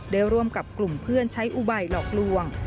ร่วมกับกลุ่มเพื่อนใช้อุบัยหลอกลวง